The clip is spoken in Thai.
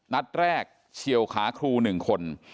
นัดแรกเฉียวขาครู๑คน